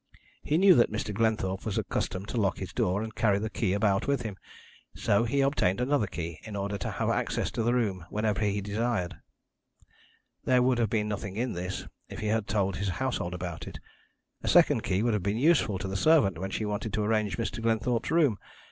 He knew that Mr. Glenthorpe was accustomed to lock his door and carry the key about with him, so he obtained another key in order to have access to the room whenever he desired. There would have been nothing in this if he had told his household about it. A second key would have been useful to the servant when she wanted to arrange Mr. Glenthorpe's room.